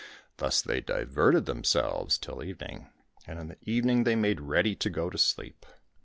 Thus they diverted themselves till evening, and in the evening they made ready to go to sleep.